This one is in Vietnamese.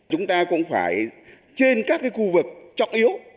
chúng ta cũng phải trên các khu vực trọng yếu